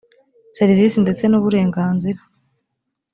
serivisi ndetse n uburenganzira